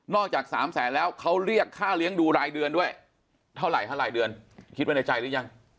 จาก๓แสนแล้วเขาเรียกค่าเลี้ยงดูรายเดือนด้วยเท่าไหร่เดือนคิดไว้ในใจหรือยัง